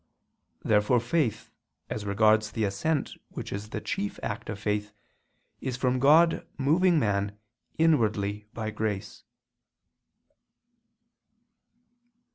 Therefore faith, as regards the assent which is the chief act of faith, is from God moving man inwardly by grace.